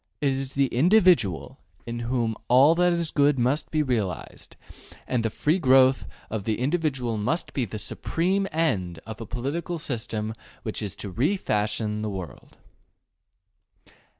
It is the individual in whom all that is good must be realized, and the free growth of the individual must be the supreme end of a political system which is to re fashion the world.